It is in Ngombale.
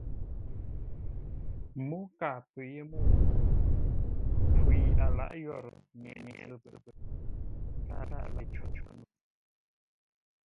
Mô kâa pə́ yé mə́u! Mpfu yi a lǎʼ yórə́, Nye-nzəpə kâa lâʼ yé có no.